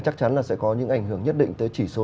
chắc chắn là sẽ có những ảnh hưởng nhất định tới chỉ số